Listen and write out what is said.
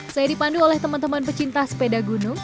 saya dipandu oleh teman teman pecinta sepeda gunung